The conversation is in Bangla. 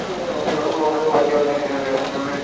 য়াহুদী জাতির ঈশ্বর যিহোবা ছিলেন তাহাদের নিজস্ব জাতীয় দেবতা।